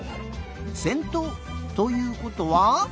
せんとうということは。